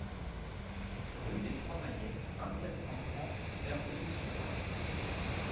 Rue des Trois Maillets, vingt-sept, cent trente Verneuil-sur-Avre